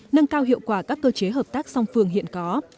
nâng cao hiệu quả các cơ chế hợp tác song phương hiện có